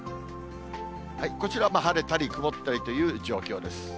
こちら、晴れたり曇ったりという状況です。